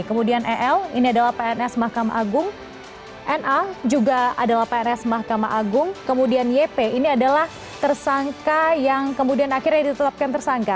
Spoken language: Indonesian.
kemudian el ini adalah pns mahkamah agung na juga adalah pns mahkamah agung kemudian yp ini adalah tersangka yang kemudian akhirnya ditetapkan tersangka